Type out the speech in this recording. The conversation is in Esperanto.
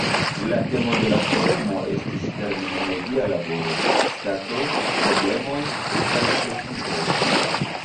La temo de la forumo estis "Terminologia laboro: Stato, problemoj, perspektivoj".